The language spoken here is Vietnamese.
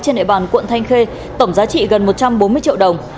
trên địa bàn quận thanh khê tổng giá trị gần một trăm bốn mươi triệu đồng